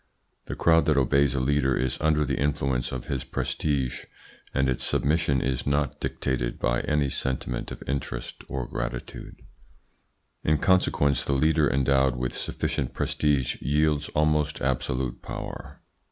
The crowd that obeys a leader is under the influence of his prestige, and its submission is not dictated by any sentiment of interest or gratitude. In consequence the leader endowed with sufficient prestige wields almost absolute power.